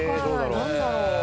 何だろう？